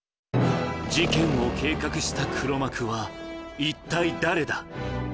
事件を計画した黒幕は一体誰だ？